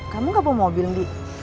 kamu gak mau mobil di